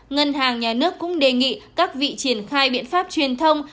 ngân hàng nhà nước cũng đề nghị các vị triển khai biện pháp truyền thông